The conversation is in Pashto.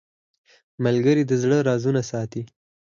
ملګری د زړه رازونه ساتي